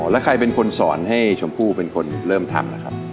แล้วใครเป็นคนสอนให้ชมพู่เป็นคนเริ่มทำล่ะครับ